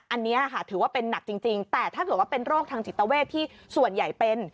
อันนี้ค่ะถือว่าเป็นหนักจริงแต่ถ้าเกิดว่าเป็นโรคทางจิตเวทที่ส่วนใหญ่เป็น